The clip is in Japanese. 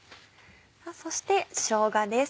そしてしょうがです